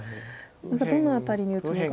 何かどの辺りに打つのか。